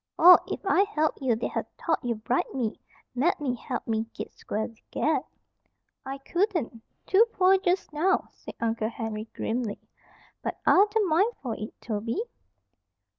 "Or, if I helped you, they'd ha' thought you'd bribed me mebbe helped me git square with Ged." "I couldn't. Too poor just now," said Uncle Henry, grimly. "But I'd the mind for it, Toby."